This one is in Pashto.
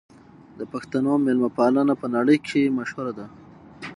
د پښتنو مېلمه پالنه په نړۍ کې مشهوره ده.